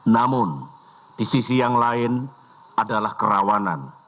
namun di sisi yang lain adalah kerawanan